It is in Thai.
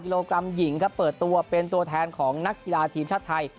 กิโลกรัมหญิงครับเปิดตัวเป็นตัวแทนของนักกีฬาทีมชาติไทย